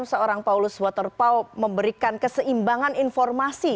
pak paulus waterpauw memberikan keseimbangan informasi